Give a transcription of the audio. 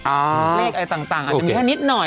เลขอะไรต่างอาจจะมีแค่นิดหน่อย